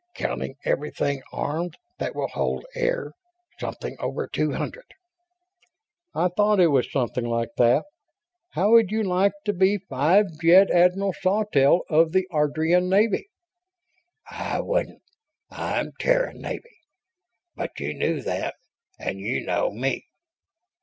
Counting everything armed that will hold air, something over two hundred." "I thought it was something like that. How would you like to be Five Jet Admiral Sawtelle of the Ardrian Navy?" "I wouldn't. I'm Terran Navy. But you knew that and you know me.